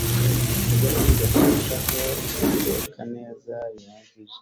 Mugerageze kurushaho guteka neza bihagije